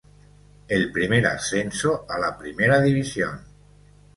El primer ascenso a la Primera división.